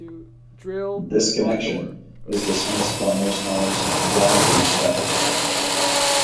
This connection is dismissed by most scholars as "wildly speculative".